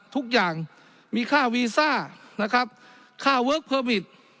ทุกอย่างมีค่าวีซ่านะครับค่าเวิร์คเพอร์บิต